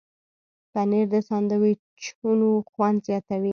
پنېر د ساندویچونو خوند زیاتوي.